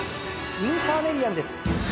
ウインカーネリアンです。